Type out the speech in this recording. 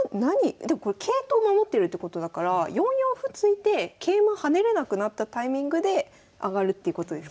でもこれ桂頭を守ってるってことだから４四歩突いて桂馬跳ねれなくなったタイミングで上がるっていうことですか？